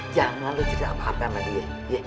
jangan lu cerita apa apa sama dia